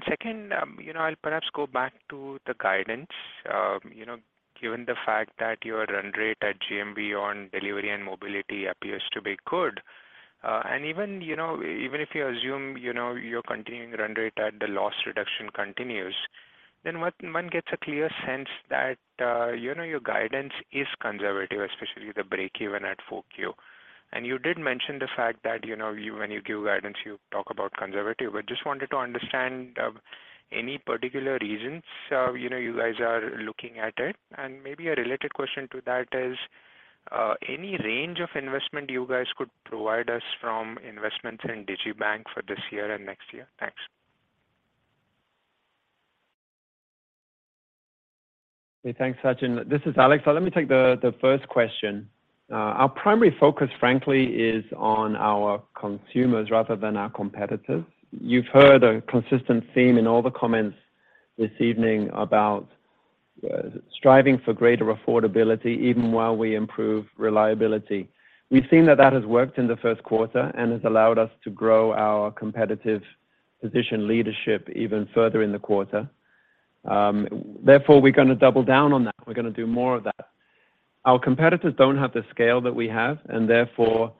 J: Second, you know, I'll perhaps go back to the guidance. You know, given the fact that your run rate at GMV on delivery and mobility appears to be good, even, you know, even if you assume, you know, you're continuing run rate at the loss reduction continues, then one gets a clear sense that, you know, your guidance is conservative, especially the breakeven at Q4. You did mention the fact that, you know, when you give guidance, you talk about conservative. Just wanted to understand, any particular reasons, you know, you guys are looking at it. Maybe a related question to that is, any range of investment you guys could provide us from investments in digibank for this year and next year? Thanks.
D: Okay. Thanks, Sachin. This is Alex. Let me take the first question. Our primary focus, frankly, is on our consumers rather than our competitors. You've heard a consistent theme in all the comments this evening about striving for greater affordability even while we improve reliability. We've seen that that has worked in the first quarter and has allowed us to grow our competitive position leadership even further in the quarter. Therefore, we're gonna double down on that. We're gonna do more of that. Our competitors don't have the scale that we have, and therefore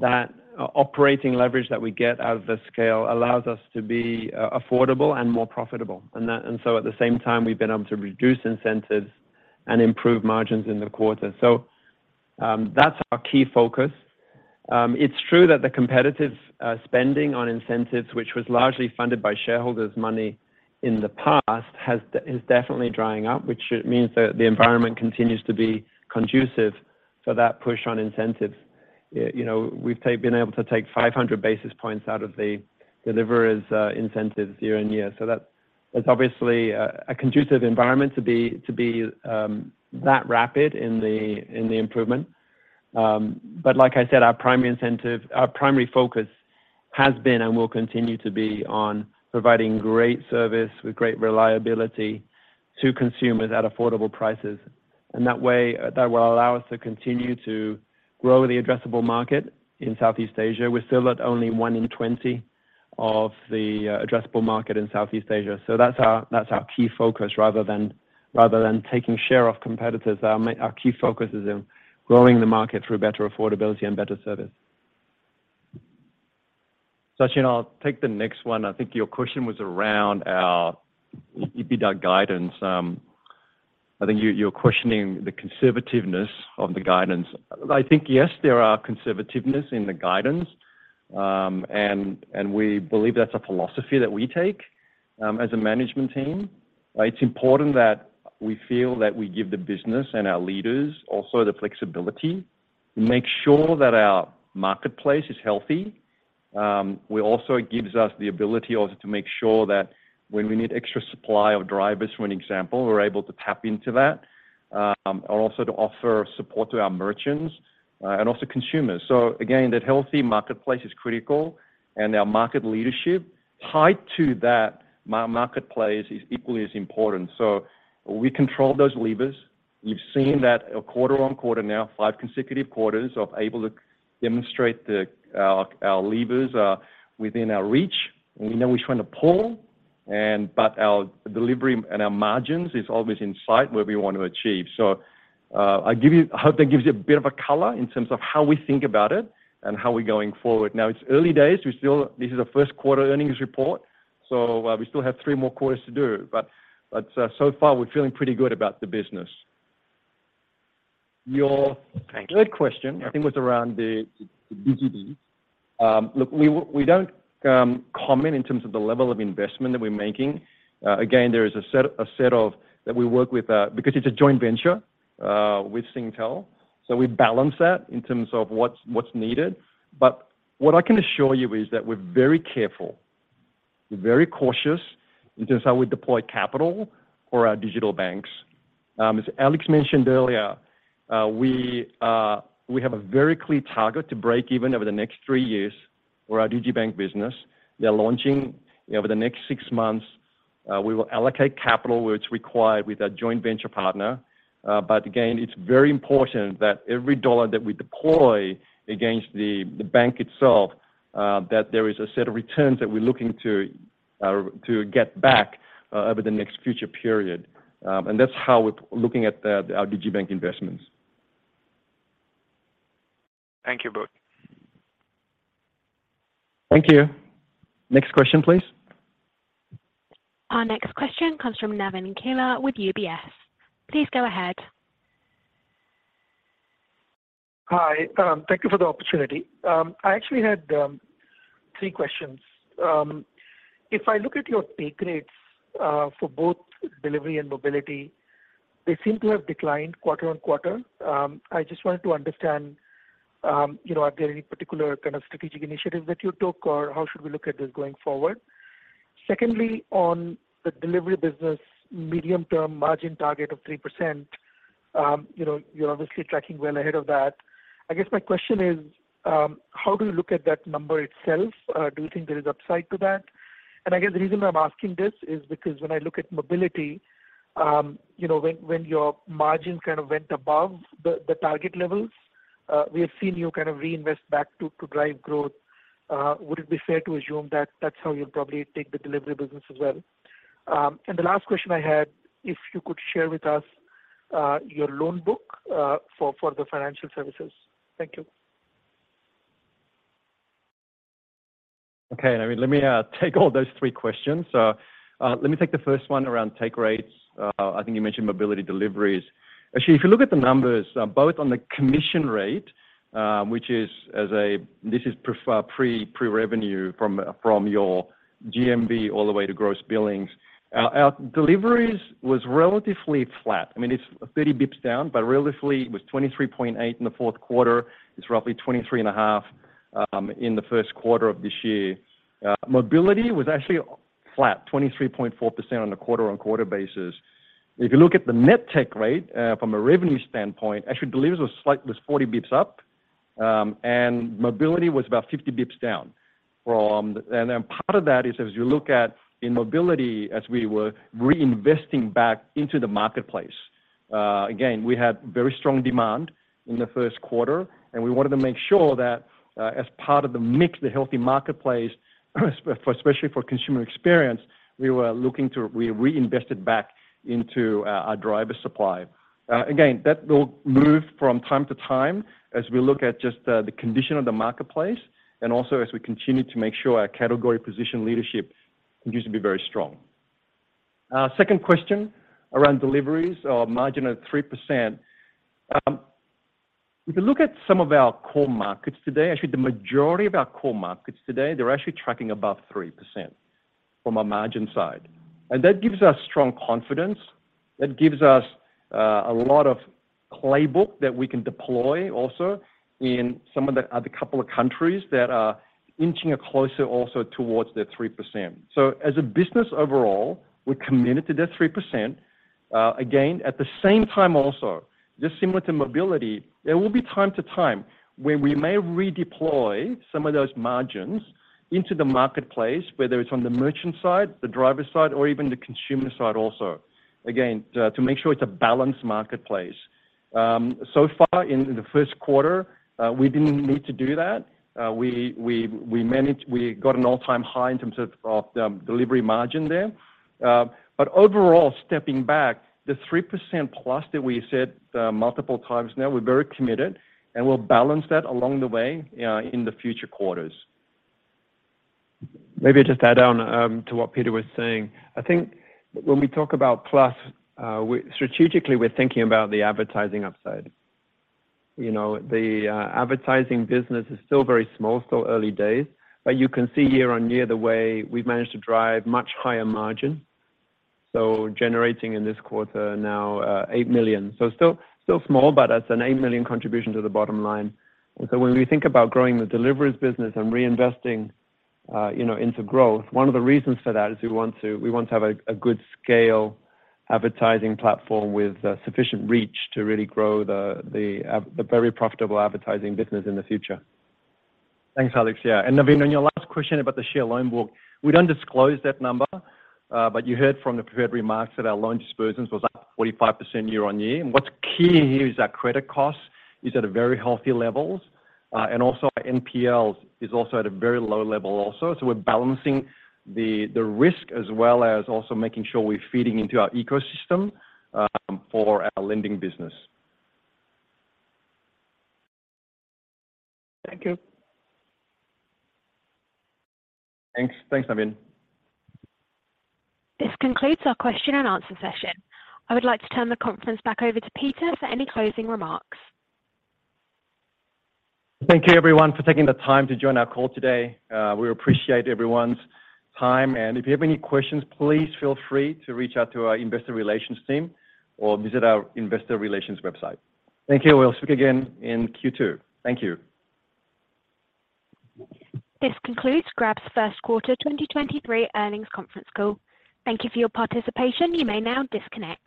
D: that operating leverage that we get out of the scale allows us to be affordable and more profitable. At the same time, we've been able to reduce incentives and improve margins in the quarter. That's our key focus. It's true that the competitive spending on incentives, which was largely funded by shareholders' money in the past, is definitely drying up, which means that the environment continues to be conducive for that push on incentives. you know, we've been able to take 500 basis points out of the deliverers' incentives year and year. That's obviously a conducive environment to be that rapid in the improvement. Like I said, our primary incentive, our primary focus has been and will continue to be on providing great service with great reliability to consumers at affordable prices. That way, that will allow us to continue to grow the addressable market in Southeast Asia. We're still at only one in 20 of the addressable market in Southeast Asia. That's our key focus rather than taking share off competitors. Our key focus is in growing the market through better affordability and better service. Sachin, I'll take the next one. I think your question was around our EBITDA guidance. I think you're questioning the conservativeness of the guidance. I think, yes, there are conservativeness in the guidance, and we believe that's a philosophy that we take as a management team, right? It's important that we feel that we give the business and our leaders also the flexibility to make sure that our marketplace is healthy. We also, it gives us the ability also to make sure that when we need extra supply of drivers, for an example, we're able to tap into that, and also to offer support to our merchants, and also consumers. Again, that healthy marketplace is critical, and our market leadership tied to that marketplace is equally as important. We control those levers. You've seen that quarter on quarter now, five consecutive quarters of able to demonstrate the our levers are within our reach, and we know which one to pull but our delivery and our margins is always in sight where we want to achieve. I'll give you. I hope that gives you a bit of a color in terms of how we think about it and how we're going forward. It's early days. We still. This is the first quarter earnings report. We still have three more quarters to do. So far we're feeling pretty good about the business.
J: Thank you.
E: Third question I think was around the GMV. Look, we don't comment in terms of the level of investment that we're making. Again, there is a set of that we work with, because it's a joint venture with Singtel. We balance that in terms of what's needed. What I can assure you is that we're very careful. We're very cautious in terms of how we deploy capital for our digital banks. As Alex mentioned earlier, we have a very clear target to break even over the next three years for our digibank business. They're launching over the next six months. We will allocate capital where it's required with our joint venture partner. Again, it's very important that every dollar that we deploy against the bank itself, that there is a set of returns that we're looking to get back over the next future period. That's how we're looking at our digibank investments.
J: Thank you both.
E: Thank you. Next question, please.
A: Our next question comes from Navin Killa with UBS. Please go ahead.
K: Hi. Thank you for the opportunity. I actually had three questions. If I look at your take rates for both delivery and mobility, they seem to have declined quarter-on-quarter. I just wanted to understand, you know, are there any particular kind of strategic initiatives that you took, or how should we look at this going forward? Secondly, on the delivery business medium-term margin target of 3%, you know, you're obviously tracking well ahead of that. I guess my question is, how do you look at that number itself? Do you think there is upside to that? I guess the reason I'm asking this is because when I look at mobility, you know, when your margins kind of went above the target levels, we have seen you kind of reinvest back to drive growth. Would it be fair to assume that that's how you'll probably take the delivery business as well? The last question I had, if you could share with us your loan book for the financial services. Thank you.
E: Okay. Navin, let me take all those three questions. Let me take the first one around take rates. I think you mentioned mobility deliveries. Actually, if you look at the numbers, both on the commission rate, which is this is pre-revenue from your GMV all the way to gross billings. Our deliveries was relatively flat. I mean, it's 30 basis points down, but realistically it was 23.8 in the fourth quarter. It's roughly 23.5 in the first quarter of this year. Mobility was actually flat, 23.4% on a quarter-on-quarter basis. If you look at the net take rate, from a revenue standpoint, actually deliveries was slight, was 40 basis points up. And mobility was about 50 basis points down from... Part of that is as you look at in mobility as we were reinvesting back into the marketplace. Again, we had very strong demand in the first quarter, and we wanted to make sure that, as part of the mix, the healthy marketplace, especially for consumer experience, we reinvested back into our driver supply. Again, that will move from time to time as we look at just the condition of the marketplace and also as we continue to make sure our category position leadership continues to be very strong. Second question around deliveries or margin of 3%. If you look at some of our core markets today, actually the majority of our core markets today, they're actually tracking above 3% from a margin side. That gives us strong confidence. That gives us a lot of playbook that we can deploy also in some of the other couple of countries that are inching closer also towards the 3%. As a business overall, we're committed to that 3%. Again, at the same time also, just similar to mobility, there will be time to time where we may redeploy some of those margins into the marketplace, whether it's on the merchant side, the driver side, or even the consumer side also. Again, to make sure it's a balanced marketplace. So far in the first quarter, we didn't need to do that. We managed. We got an all-time high in terms of the delivery margin there. Overall, stepping back, the 3%+ that we said multiple times now, we're very committed, and we'll balance that along the way in the future quarters.
D: Maybe just add on to what Peter was saying. I think when we talk about plus, strategically, we're thinking about the advertising upside. You know, the advertising business is still very small, still early days. You can see year-on-year the way we've managed to drive much higher margin. Generating in this quarter now, $8 million. Still small, but that's an $8 million contribution to the bottom line. When we think about growing the deliveries business and reinvesting, you know, into growth, one of the reasons for that is we want to have a good scale advertising platform with sufficient reach to really grow the very profitable advertising business in the future.
E: Thanks, Alex. Yeah. Navin, on your last question about the share loan book, we don't disclose that number, but you heard from the prepared remarks that our loan disbursements was up 45% year-on-year. What's key here is our credit cost is at a very healthy levels, and also our NPLs is also at a very low level also. We're balancing the risk as well as also making sure we're feeding into our ecosystem for our lending business.
K: Thank you.
E: Thanks. Thanks, Navin.
A: This concludes our question and answer session. I would like to turn the conference back over to Peter for any closing remarks.
E: Thank you everyone for taking the time to join our call today. We appreciate everyone's time. If you have any questions, please feel free to reach out to our investor relations team or visit our investor relations website. Thank you. We'll speak again in Q2. Thank you.
A: This concludes Grab's first quarter 2023 earnings conference call. Thank you for your participation. You may now disconnect.